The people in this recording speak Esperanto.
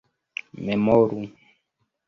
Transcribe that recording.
memoru